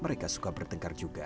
mereka suka bertengkar juga